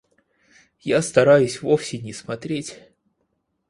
Я стараюсь вовсе не смотреть.